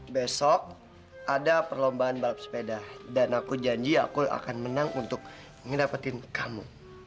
besok ada perlombaan balap sepeda dan aku janji aku akan menang untuk mendapatkan kamu